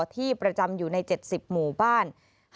ที่ประจำอยู่ใน๗๐หมู่บ้าน